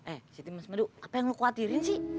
eh siti mas madu apa yang lu khawatirin sih